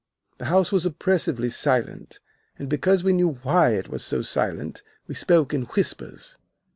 The house was oppressively silent, and because we knew why it was so silent we spoke in whispers.